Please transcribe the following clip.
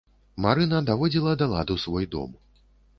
Марына даводзіла да ладу свой дом.